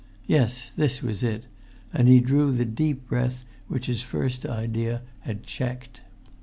Yes, this was it; and he drew the deep breath which his first idea had checked.